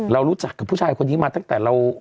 เรารู้จักกับผู้ชายคนนี้มาตั้งแต่เรา